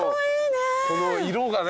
この色がね。